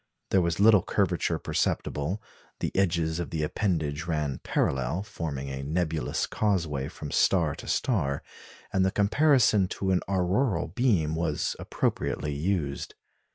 There was little curvature perceptible; the edges of the appendage ran parallel, forming a nebulous causeway from star to star; and the comparison to an auroral beam was appropriately used.